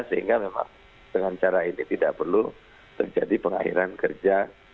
sehingga memang dengan cara ini tidak perlu terjadi pengakhiran kerja